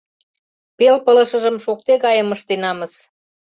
— Пел пылышыжым шокте гайым ыштенамыс...